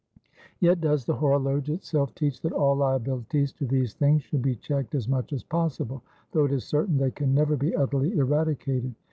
"Yet does the horologe itself teach, that all liabilities to these things should be checked as much as possible, though it is certain they can never be utterly eradicated.